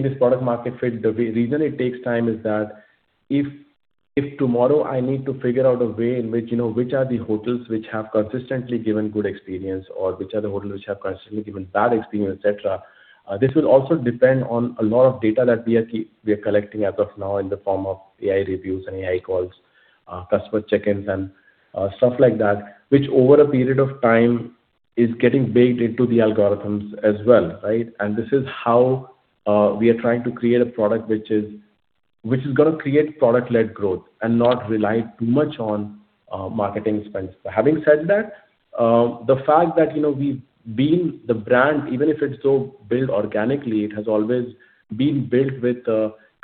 this product-market fit. The reason it takes time is that if tomorrow I need to figure out a way in which are the hotels which have consistently given good experience or which are the hotels which have consistently given bad experience, etc. This will also depend on a lot of data that we are collecting as of now in the form of AI reviews and AI calls, customer check-ins, and stuff like that, which over a period of time is getting baked into the algorithms as well, right? This is how we are trying to create a product which is going to create product-led growth and not rely too much on marketing expenses. Having said that, the fact that we've been the brand, even if it's so built organically, it has always been built with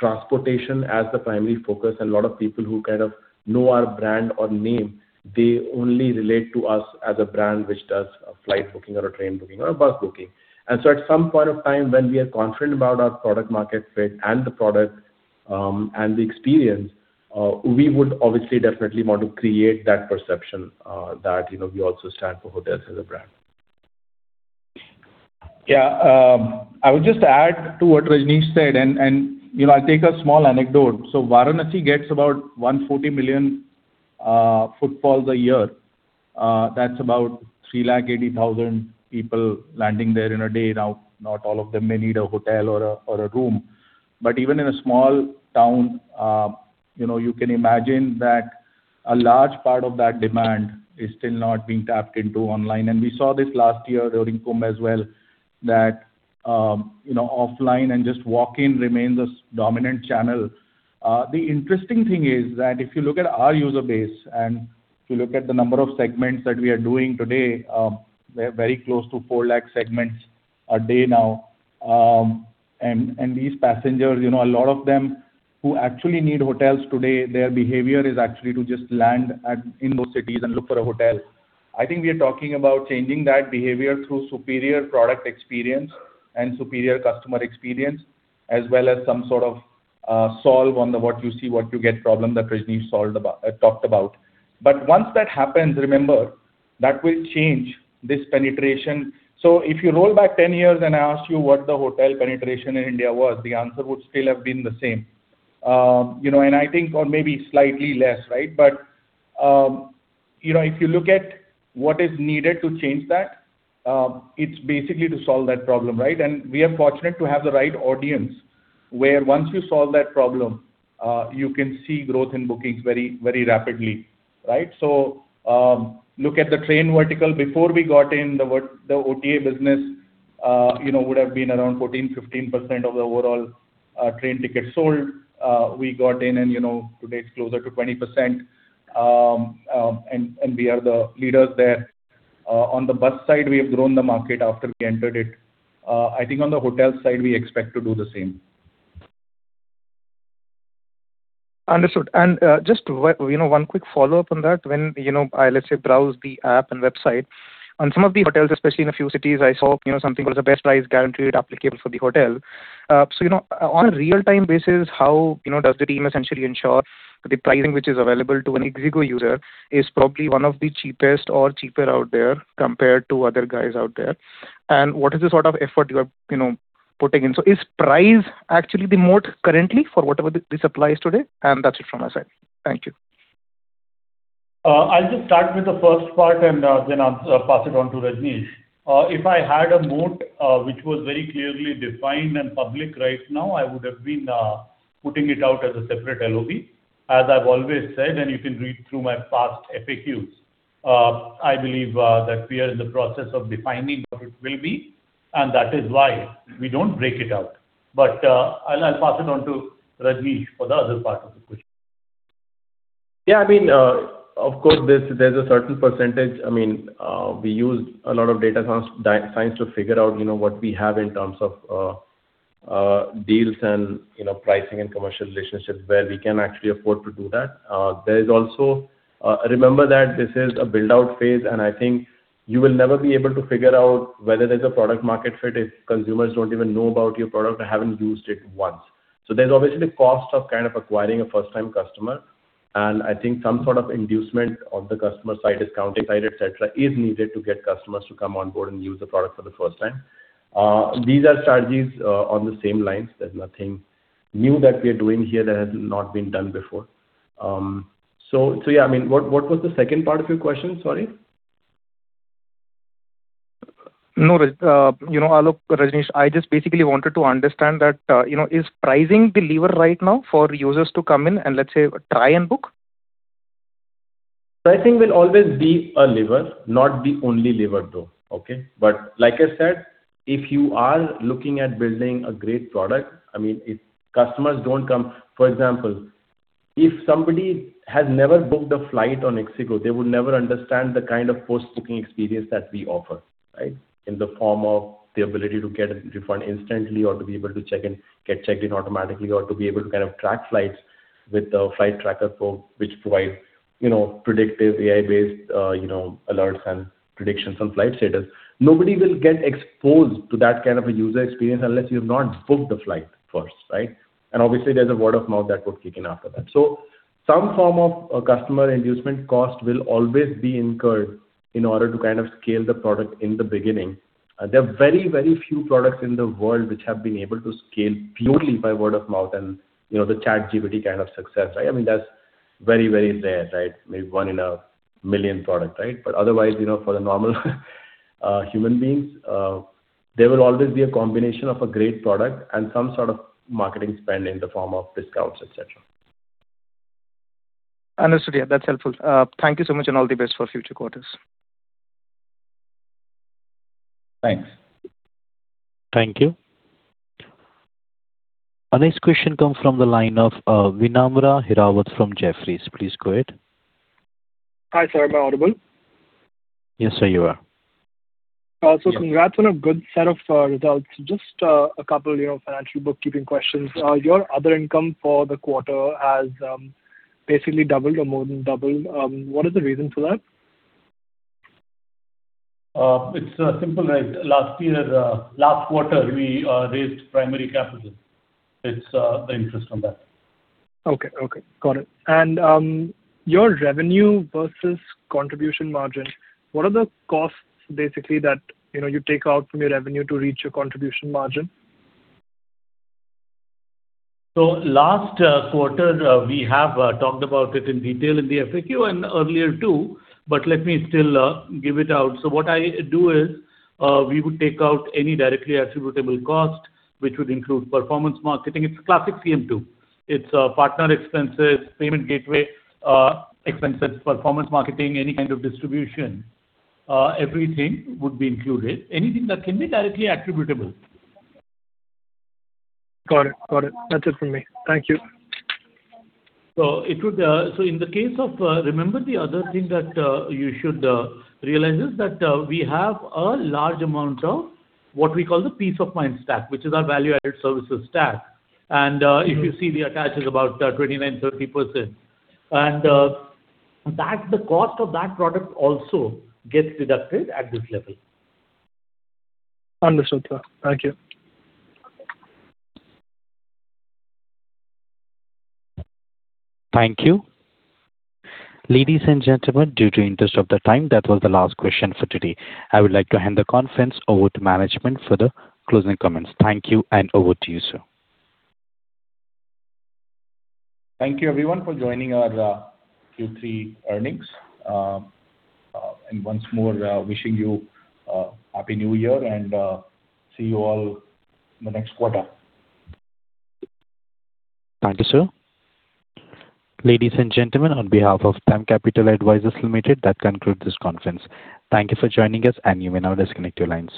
transportation as the primary focus. A lot of people who kind of know our brand or name, they only relate to us as a brand which does flight booking or a train booking or a bus booking. So at some point of time, when we are confident about our product-market fit and the product and the experience, we would obviously definitely want to create that perception that we also stand for hotels as a brand. Yeah. I would just add to what Rajnish said. I'll take a small anecdote. Varanasi gets about 140 million footfalls a year. That's about 380,000 people landing there in a day. Now, not all of them may need a hotel or a room. Even in a small town, you can imagine that a large part of that demand is still not being tapped into online. And we saw this last year during Kumbh as well, that offline and just walk-in remains a dominant channel. The interesting thing is that if you look at our user base and you look at the number of segments that we are doing today, we're very close to 4 lakh segments a day now. And these passengers, a lot of them who actually need hotels today, their behavior is actually to just land in those cities and look for a hotel. I think we are talking about changing that behavior through superior product experience and superior customer experience, as well as some sort of solve on the what you see, what you get problem that Rajnish talked about. But once that happens, remember, that will change this penetration. So if you roll back 10 years and I asked you what the hotel penetration in India was, the answer would still have been the same. And I think, or maybe slightly less, right? But if you look at what is needed to change that, it's basically to solve that problem, right? And we are fortunate to have the right audience where once you solve that problem, you can see growth in bookings very rapidly, right? So look at the train vertical. Before we got in, the OTA business would have been around 14%-15% of the overall train tickets sold. We got in, and today it's closer to 20%. And we are the leaders there. On the bus side, we have grown the market after we entered it. I think on the hotel side, we expect to do the same. Understood. And just one quick follow-up on that. When I, let's say, browse the app and website, on some of the hotels, especially in a few cities, I saw something that was a best price guaranteed applicable for the hotel. So on a real-time basis, how does the team essentially ensure the pricing which is available to an ixigo user is probably one of the cheapest or cheaper out there compared to other guys out there? And what is the sort of effort you are putting in? So is price actually the moat currently for whatever the supply is today? And that's it from my side. Thank you. I'll just start with the first part, and then I'll pass it on to Rajnish. If I had a moat which was very clearly defined and public right now, I would have been putting it out as a separate LOB, as I've always said, and you can read through my past FAQs. I believe that we are in the process of defining what it will be, and that is why we don't break it out. But I'll pass it on to Rajnish for the other part of the question. Yeah. I mean, of course, there's a certain percentage. I mean, we use a lot of data science to figure out what we have in terms of deals and pricing and commercial relationships where we can actually afford to do that. Also, remember that this is a build-out phase, and I think you will never be able to figure out whether there's a product-market fit if consumers don't even know about your product or haven't used it once. So there's obviously the cost of kind of acquiring a first-time customer. And I think some sort of inducement on the customer side, discounting side, etc., is needed to get customers to come on board and use the product for the first time. These are strategies on the same lines. There's nothing new that we are doing here that has not been done before. So yeah, I mean, what was the second part of your question? Sorry. No, I'll look, Rajnish. I just basically wanted to understand that is pricing the lever right now for users to come in and, let's say, try and book? Pricing will always be a lever, not the only lever, though, okay? But like I said, if you are looking at building a great product, I mean, customers don't come. For example, if somebody has never booked a flight on ixigo, they would never understand the kind of post-booking experience that we offer, right, in the form of the ability to get a refund instantly or to be able to get checked in automatically or to be able to kind of track flights with the flight tracker, which provides predictive AI-based alerts and predictions on flight status. Nobody will get exposed to that kind of a user experience unless you've not booked the flight first, right? And obviously, there's a word of mouth that would kick in after that. Some form of customer inducement cost will always be incurred in order to kind of scale the product in the beginning. There are very, very few products in the world which have been able to scale purely by word of mouth and the ChatGPT kind of success, right? I mean, that's very, very rare, right? Maybe one in a million product, right? But otherwise, for the normal human beings, there will always be a combination of a great product and some sort of marketing spend in the form of discounts, etc. Understood. Yeah, that's helpful. Thank you so much and all the best for future quarters. Thanks. Thank you. Our next question comes from the line of Vinamra Hirawat from Jefferies. Please go ahead. Hi, sir. Am I audible? Yes, sir, you are. So congrats on a good set of results. Just a couple of financial bookkeeping questions. Your other income for the quarter has basically doubled or more than doubled. What is the reason for that? It's simple, right? Last quarter, we raised primary capital. It's the interest on that. Okay. Okay. Got it. And your revenue versus contribution margin, what are the costs basically that you take out from your revenue to reach your contribution margin? So last quarter, we have talked about it in detail in the FAQ and earlier too, but let me still give it out. So what I do is we would take out any directly attributable cost, which would include performance marketing. It's a classic CM2. It's partner expenses, payment gateway expenses, performance marketing, any kind of distribution. Everything would be included. Anything that can be directly attributable. Got it. Got it. That's it from me. Thank you. So in the case of remember the other thing that you should realize is that we have a large amount of what we call the peace of mind stack, which is our value-added services stack. And if you see, the attach is about 29%-30%. And the cost of that product also gets deducted at this level. Understood. Thank you. Thank you. Ladies and gentlemen, in the interest of time, that was the last question for today. I would like to hand the conference over to management for the closing comments. Thank you, and over to you, sir. Thank you, everyone, for joining our Q3 earnings. And once more, wishing you a happy new year and see you all in the next quarter. Thank you, sir. Ladies and gentlemen, on behalf of DAM Capital Advisors Limited, that concludes this conference. Thank you for joining us, and you may now disconnect your lines.